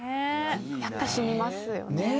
やっぱ染みますよね。